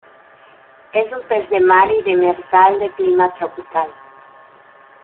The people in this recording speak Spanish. Es un pez de mar y demersal de clima tropical.